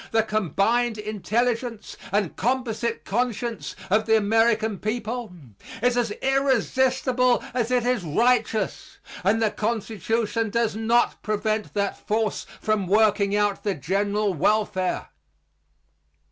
The combined intelligence and composite conscience of the American people is as irresistible as it is righteous; and the Constitution does not prevent that force from working out the general welfare.